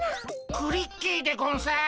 クリッキーでゴンス。